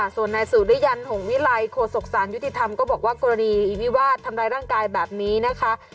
ส่วนนายสุริยันหงวิลัยโฆษกสารยุติธรรมก็บอกว่ากรณีวิวาสทำร้ายร่างกายแบบนี้นะคะ